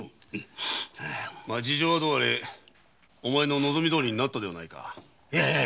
ま事情はどうあれお前の望みどおりになったではないか。